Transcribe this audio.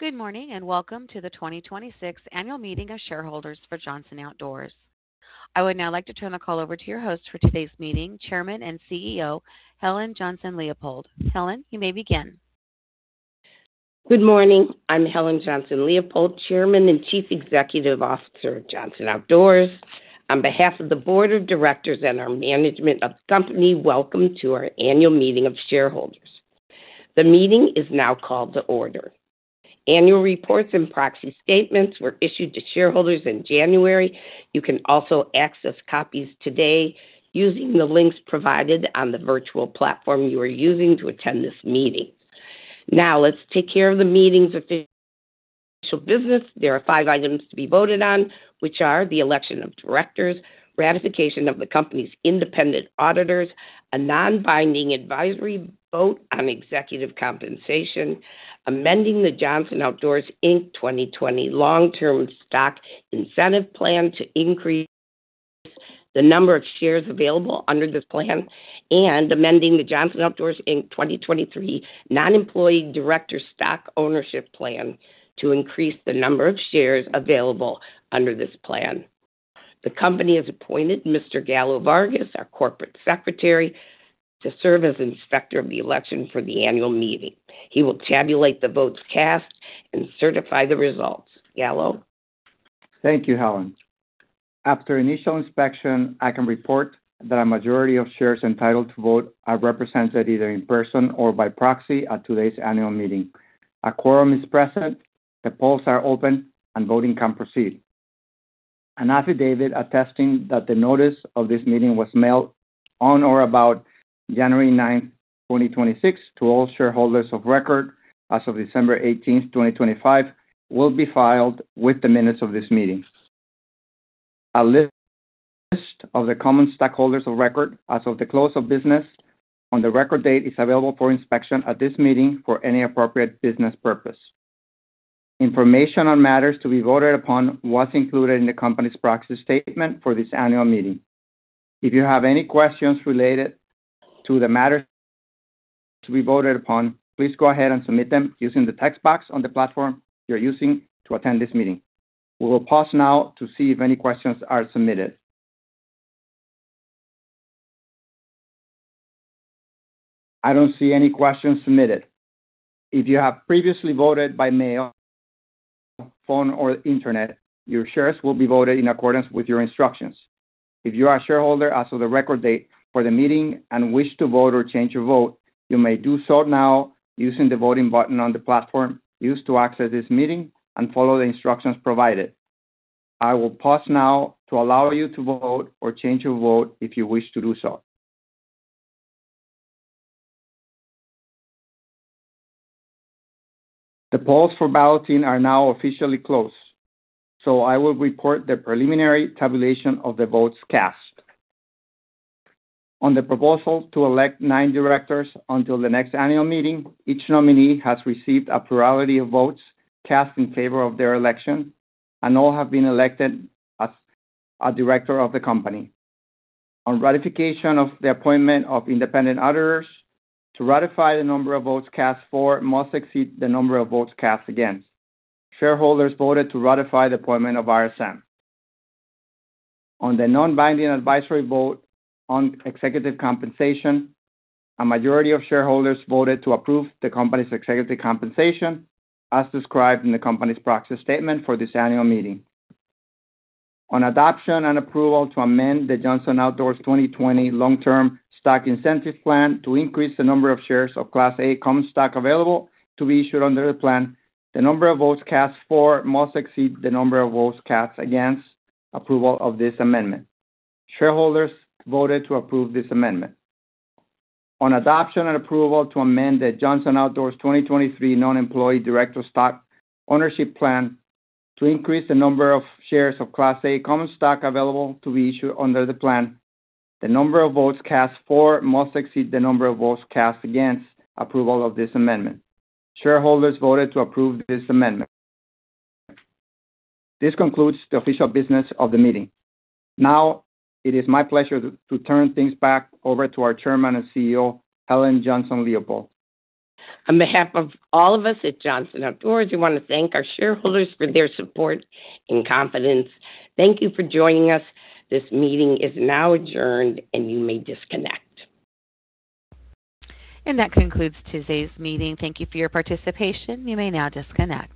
Good morning, and welcome to the 2026 annual meeting of shareholders for Johnson Outdoors. I would now like to turn the call over to your host for today's meeting, Chairman and CEO, Helen Johnson-Leipold. Helen, you may begin. Good morning. I'm Helen Johnson-Leipold, Chairman and Chief Executive Officer of Johnson Outdoors. On behalf of the board of directors and our management of the company, welcome to our annual meeting of shareholders. The meeting is now called to order. Annual reports and proxy statements were issued to shareholders in January. You can also access copies today using the links provided on the virtual platform you are using to attend this meeting. Now, let's take care of the meeting's official business. There are five items to be voted on, which are the election of directors, ratification of the company's independent auditors, a non-binding advisory vote on executive compensation, amending the Johnson Outdoors Inc. 2020 Long-Term Stock Incentive Plan to increase the number of shares available under this plan, and amending the Johnson Outdoors Inc. 2023 Non-Employee Director Stock Ownership Plan to increase the number of shares available under this plan. The company has appointed Mr. Khalaf Khalaf, our Corporate Secretary, to serve as Inspector of the Election for the annual meeting. He will tabulate the votes cast and certify the results. Khalaf. Thank you, Helen. After initial inspection, I can report that a majority of shares entitled to vote are represented either in person or by proxy at today's annual meeting. A quorum is present, the polls are open, and voting can proceed. An affidavit attesting that the notice of this meeting was mailed on or about January 9, 2026 to all shareholders of record as of December 18, 2025, will be filed with the minutes of this meeting. A list of the common stockholders of record as of the close of business on the record date is available for inspection at this meeting for any appropriate business purpose. Information on matters to be voted upon was included in the company's proxy statement for this annual meeting. If you have any questions related to the matters to be voted upon, please go ahead and submit them using the text box on the platform you're using to attend this meeting. We will pause now to see if any questions are submitted. I don't see any questions submitted. If you have previously voted by mail, phone, or internet, your shares will be voted in accordance with your instructions. If you are a shareholder as of the record date for the meeting and wish to vote or change your vote, you may do so now using the voting button on the platform used to access this meeting and follow the instructions provided. I will pause now to allow you to vote or change your vote if you wish to do so. The polls for balloting are now officially closed, so I will report the preliminary tabulation of the votes cast. On the proposal to elect 9 directors until the next annual meeting, each nominee has received a plurality of votes cast in favor of their election, and all have been elected as a director of the company. On ratification of the appointment of independent auditors, to ratify the number of votes cast for must exceed the number of votes cast against. Shareholders voted to ratify the appointment of RSM. On the non-binding advisory vote on executive compensation, a majority of shareholders voted to approve the company's executive compensation as described in the company's proxy statement for this annual meeting. On adoption and approval to amend the Johnson Outdoors 2020 Long-Term Stock Incentive Plan to increase the number of shares of Class A common stock available to be issued under the plan, the number of votes cast for must exceed the number of votes cast against approval of this amendment. Shareholders voted to approve this amendment. On adoption and approval to amend the Johnson Outdoors Inc. 2023 Non-Employee Director Stock Ownership Plan to increase the number of shares of Class A common stock available to be issued under the plan, the number of votes cast for must exceed the number of votes cast against approval of this amendment. Shareholders voted to approve this amendment. This concludes the official business of the meeting. Now it is my pleasure to turn things back over to our Chairman and CEO, Helen Johnson-Leipold. On behalf of all of us at Johnson Outdoors, we want to thank our shareholders for their support and confidence. Thank you for joining us. This meeting is now adjourned, and you may disconnect. That concludes today's meeting. Thank you for your participation. You may now disconnect.